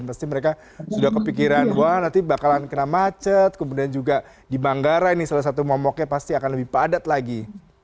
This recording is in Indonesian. dan pasti mereka sudah kepikiran wah nanti bakalan kena macet kemudian juga di banggara ini salah satu momoknya pasti akan lebih padat lagi